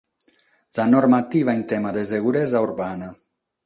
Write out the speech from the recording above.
Sa normativa in tema de seguresa urbana.